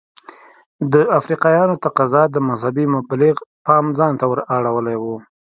د افریقایانو تقاضا د مذهبي مبلغ پام ځانته ور اړولی و.